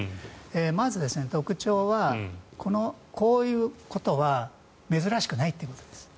まず特徴は、こういうことは珍しくないというんです。